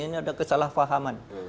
ini ada kesalahpahaman